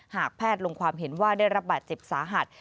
หากแพทย์ลงความเห็นว่าได้รับบาดเจ็บสาหัส